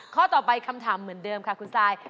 ข้อต่อไปคำถามเหมือนเดิมค่ะคุณซาย